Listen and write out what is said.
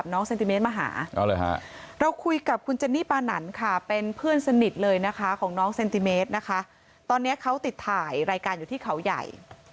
น้องเซนติเมตรนะคะตอนนี้เขาติดถ่ายรายการอยู่ที่เขาใหญ่